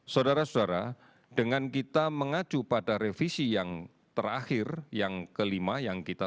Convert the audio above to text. saudara saudara dengan kita mengacu pada revisi yang terakhir yang kelima yang kita